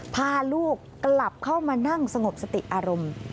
พาลูกกลับเข้ามานั่งสงบสติอารมณ์